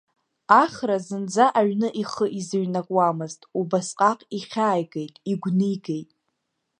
Ахра зынӡа аҩны ихы изыҩнакуамызт, убасҟак ихьааигеит, игәнигеит.